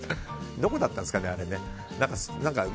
どこだったんですかね。